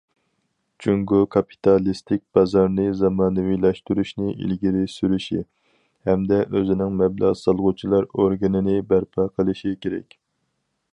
جۇڭگو كاپىتالىستىك بازارنى زامانىۋىلاشتۇرۇشنى ئىلگىرى سۈرۈشى، ھەمدە ئۆزىنىڭ مەبلەغ سالغۇچىلار ئورگىنىنى بەرپا قىلىشى كېرەك.